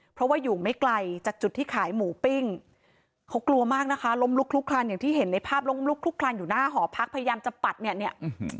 เพราะว่าอยู่ไม่ไกลจากจุดที่ขายหมูปิ้งเขากลัวมากนะคะล้มลุกลุกคลานอย่างที่เห็นในภาพล้มลุกลุกคลานอยู่หน้าหอพักพยายามจะปัดเนี่ยเนี่ย